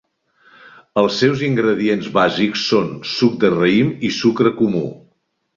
Els seus ingredients bàsics són suc de raïm i sucre comú.